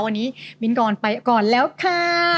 วันนี้มินกรไปก่อนแล้วค่ะ